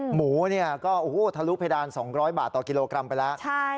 หมูเนี่ยก็ทะลุเพดาน๒๐๐บาทต่อกิโลกรัมไปแล้ว